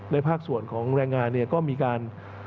ภาคส่วนของแรงงานเนี่ยก็มีการ